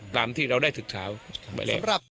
ตามที่เราได้ศึกษาไปแล้ว